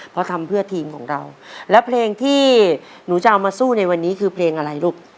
เพราะทำเพื่อทีมของเราแล้วเพลงที่หนูจะเอามาสู้ในวันนี้คือเพลงอะไรลูก